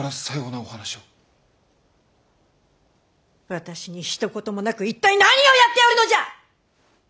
私にひと言もなく一体何をやっておるのじゃ！